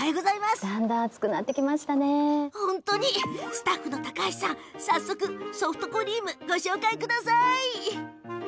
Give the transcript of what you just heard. スタッフの高橋さん、早速ソフトクリームご紹介ください。